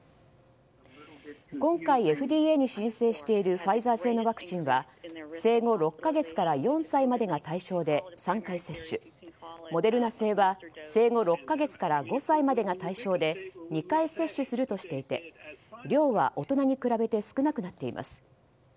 今回、ＦＤＡに申請しているファイザー製のワクチンは生後６か月から４歳までが対象で３回接種、モデルナ製は生後６か月から５歳までが対象で２回接種するとしていて量は大人に比べて少なくなっています。